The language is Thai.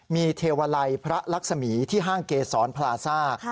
มีเทวาลัยพระลักษมีที่ห้างเกษรพลาซ่า